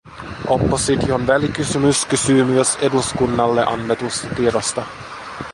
Opposition välikysymys kysyy myös eduskunnalle annetusta tiedosta.